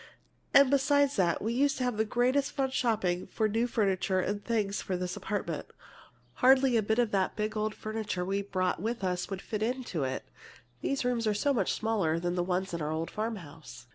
And beside that, we used to have the greatest fun shopping for new furniture and things for this apartment. Hardly a bit of that big old furniture we brought with us would fit into it, these rooms are so much smaller than the ones in our old farm house.